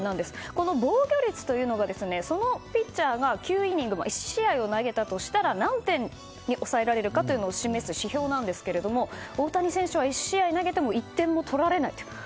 この防御率というのはそのピッチャーが９イニング、１試合を投げたとしたら何点に抑えられるのかを示す指標なんですが大谷選手は１試合投げても１点も取られないと。